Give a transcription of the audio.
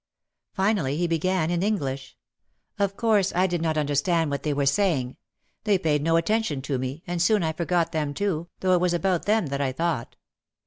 Finally he began in English. Of course, I did not understand what they were saying. They paid no attention to me and soon I forgot them too, though it was about them that I thought.